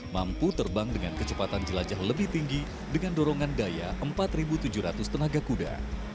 mampu terbang dengan kecepatan jelajah lebih tinggi dengan dorongan daya empat tujuh ratus tenaga kuda